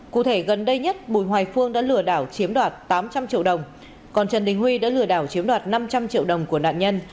cụ thể gần đây nhất bùi hoài phương đã lừa đảo chiếm đoạt tám trăm linh triệu đồng còn trần đình huy đã lừa đảo chiếm đoạt năm trăm linh triệu đồng của nạn nhân